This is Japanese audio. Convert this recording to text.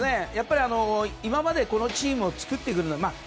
今までこのチームを作ってくるのにね。